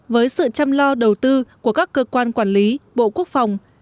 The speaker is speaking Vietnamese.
với sự chăm lo đầu tư của các cơ quan quản lý bộ quốc phòng